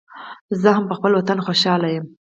زه هم پخپل وطن خوشحال یم